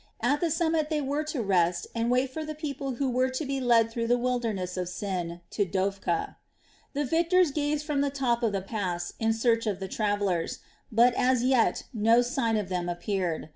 At the summit they were to rest and wait for the people who were to be led through the wilderness of Sin to Dophkah. The victors gazed from the top of the pass in search of the travellers; but as yet no sign of them appeared.